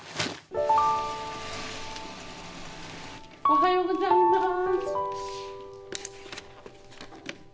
おはようございます。